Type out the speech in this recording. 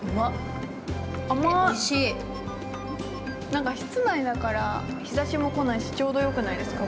◆なんか室内だから日差しも来ないしちょうどよくないですか？